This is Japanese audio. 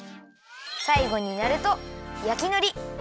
さいごになるとやきのり